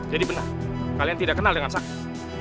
jadi benar kalian tidak kenal dengan sakti